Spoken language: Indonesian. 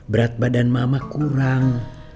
berat badan mama kurang